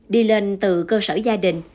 đi lên từ cơ sở gia đình